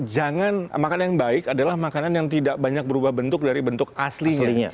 jangan makan yang baik adalah makanan yang tidak banyak berubah bentuk dari bentuk aslinya